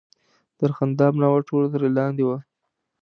د ارغنداب ناوه ټوله تر لاندې ده.